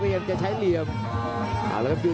พยายามจะไถ่หน้านี่ครับการต้องเตือนเลยครับ